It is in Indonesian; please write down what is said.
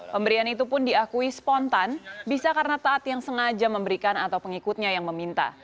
pemberian itu pun diakui spontan bisa karena taat yang sengaja memberikan atau pengikutnya yang meminta